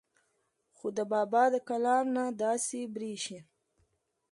خو د بابا د کلام نه داسې بريښي